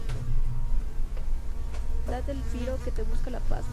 Date el piro que te busca la pasma